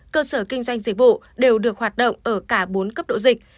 cơ sở kinh doanh dịch vụ đều được hoạt động ở cả bốn cấp độ dịch